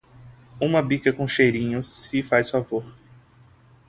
Uma bica com cheirinho, se faz favor.